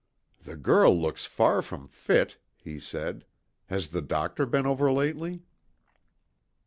"The girl looks far from fit," he said. "Has the doctor been over lately?"